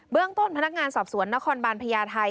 เรื่องต้นพนักงานสอบสวนนครบาลพญาไทย